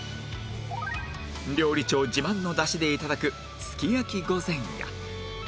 料理長自慢のダシで頂くすき焼き御膳や